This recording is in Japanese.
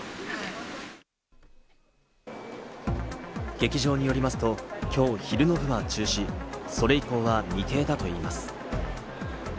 劇場によりますと、きょう昼の部は中止、それ以降は未定だといいます。